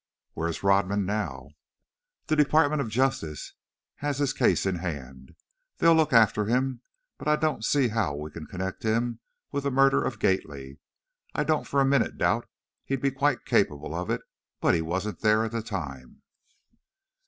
"Where's Rodman now?" "The Department of Justice has his case in hand. They'll look after him. But I don't see how we can connect him with the murder of Gately. I don't for a minute doubt he'd be quite capable of it, but he wasn't there at the time."